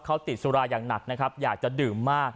เขาติดสุราอย่างหนักนะครับอยากจะดื่มมาก